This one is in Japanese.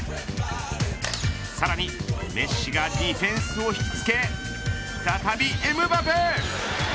さらにメッシがディフェンスを引きつけ再びエムバペ。